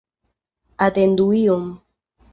Atendu iom.